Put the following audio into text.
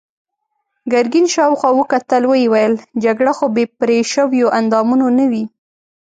ګرګين شاوخوا وکتل، ويې ويل: جګړه خو بې پرې شويوو اندامونو نه وي.